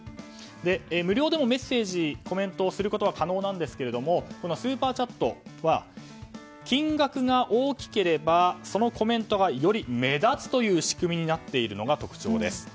無料でもコメントをすることは可能なんですけれどもこのスーパーチャットは金額が大きければそのコメントがより目立つという仕組みになっているのが特徴です。